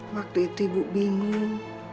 waktu itu ibu bingung